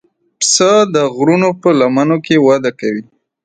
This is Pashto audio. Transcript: پسه د غرونو په لمنو کې وده کوي.